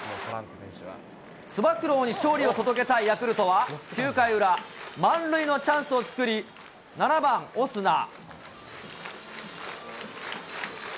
つば九郎に勝利を届けたいヤクルトは、９回裏、満塁のチャンスを作り、７番オスナ。